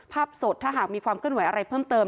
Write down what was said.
ภาพสดถ้าหากมีความกล้นไหวอะไรเพิ่มเติม